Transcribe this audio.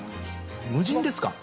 無人ですか？